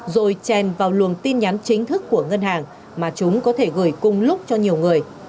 rồi chèn vào luồng tin nhắn chính thức của ngân hàng mà chúng có thể gửi cùng lúc cho nhiều người